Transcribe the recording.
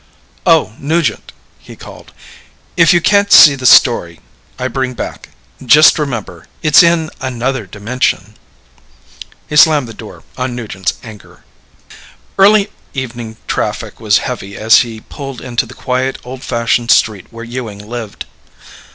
"Oh, Nugent," he called, "if you can't see the story I bring back, just remember: it's in another dimension." He slammed the door on Nugent's anger. Early evening traffic was heavy as he pulled into the quiet, old fashioned street where Ewing lived.